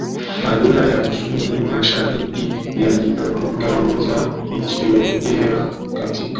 madola ya kusini mashariki yalitangaza kujiondoa katika